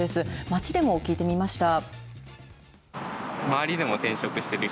街でも聞いてみました。